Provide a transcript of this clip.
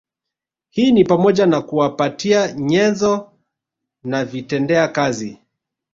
Hii ni pamoja na kuwapatia nyenzo na vitendea kazi